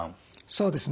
そうですね。